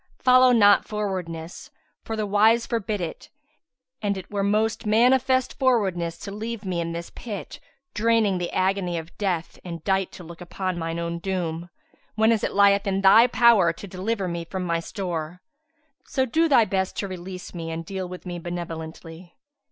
[FN#154] Follow not frowardness, for the wise forbid it: and it were most manifest frowardness to leave me in this pit draining the agony of death and dight to look upon mine own doom, whenas it lieth in thy power to deliver me from my stowre. So do thy best to release me and deal with me benevolently."